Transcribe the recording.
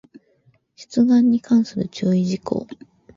出願に関する注意事項